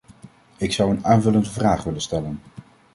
Ik zou een aanvullende vraag willen stellen.